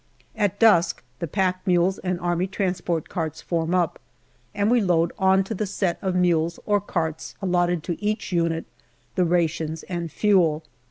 At dusk the pack mules and A.T. carts form up, and we load on to the set of mules or carts allotted to each unit the rations and fuel.